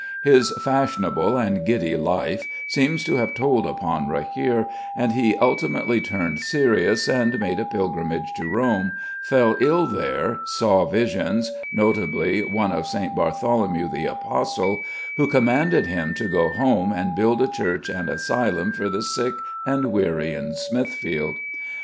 His fashionable and giddy life seems to have told upon Rahere, and he ultimately turned serious, made a pilgrimage to Rome, fell ill there, saw visions, notably one of St. Bartholomew the Apostle, who commanded him to go home and build a church and asylum for the sick and weary in Smithfield.